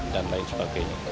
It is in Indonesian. dan lain sebagainya